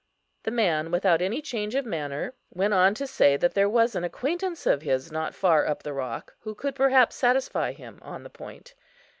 The man, without any change of manner, went on to say that there was an acquaintance of his not far up the rock, who could perhaps satisfy him on the point.